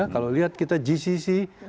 kalau kita lihat gcc